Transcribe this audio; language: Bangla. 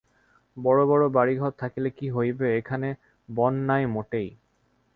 বড় বড় বাড়িঘর থাকিলে কি হইবে, এখানে বন নাই মোটেই।